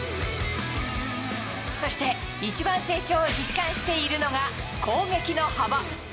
そして一番成長を実感しているのが攻撃の幅。